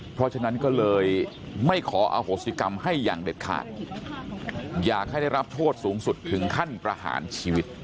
เพราะฉะนั้นก็เลยไม่ขออโหสิกรรมให้อย่างเด็ดขาดอยากให้ได้รับโทษสูงสุดถึงขั้นประหารชีวิต